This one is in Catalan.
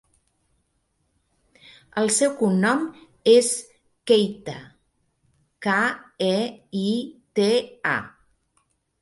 El seu cognom és Keita: ca, e, i, te, a.